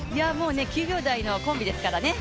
９秒台コンビですからね。